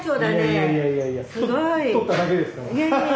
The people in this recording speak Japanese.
いやいやいやいや。